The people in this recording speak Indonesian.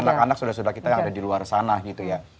anak anak sudah sudah kita yang ada di luar sana gitu ya